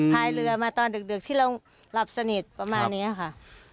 พายเรือมาตอนดึกที่เราหลับสนิทประมาณนี้ค่ะ